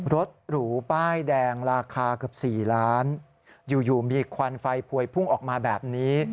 รถหรูป้ายแดงราคาเกือบ๔ล้านอยู่มีควันไฟพวยพุ่งออกมาแบบนี้